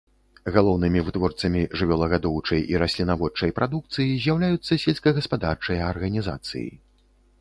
Галоўнымі вытворцамі жывёлагадоўчай і раслінаводчай прадукцыі з'яўляюцца сельскагаспадарчыя арганізацыі.